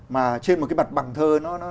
mà trên một cái mặt bằng thơ